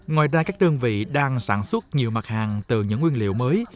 ngoài ra các đơn vị đang sản xuất nhiều mặt hàng từ những nguyên liệu mới